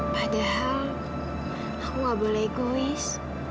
padahal aku gak boleh gois